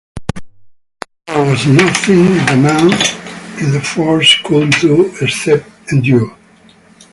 There was nothing the men in the forts could do except endure.